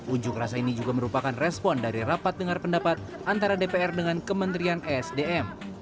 unjuk rasa ini juga merupakan respon dari rapat dengar pendapat antara dpr dengan kementerian esdm